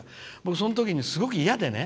そのときに、僕すごく嫌でね。